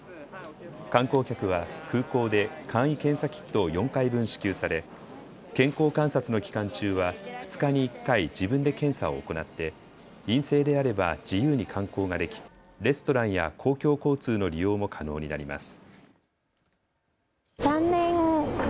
観光客は空港で簡易検査キットを４回分支給され健康観察の期間中は２日に１回、自分で検査を行って陰性であれば自由に観光ができレストランや公共交通の利用も可能になります。